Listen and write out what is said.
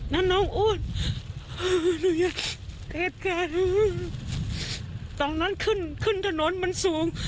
นั่นน้องอ้วนหนูยังเทศกาลตอนนั้นขึ้นขึ้นถนนมันสูง